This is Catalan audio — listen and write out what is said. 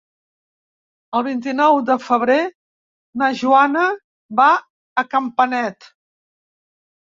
El vint-i-nou de febrer na Joana va a Campanet.